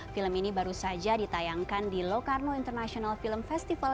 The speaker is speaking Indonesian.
film ini baru saja ditayangkan di locarno international film festival